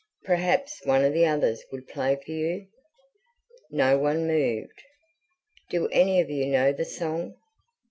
"Perhaps one of the others would play for you?" No one moved. "Do any of you know the song?"